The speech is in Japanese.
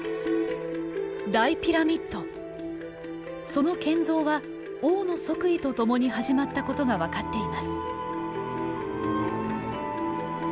その建造は王の即位とともに始まったことが分かっています。